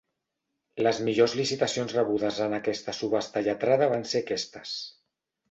Les millors licitacions rebudes en aquesta subhasta lletrada van ser aquestes.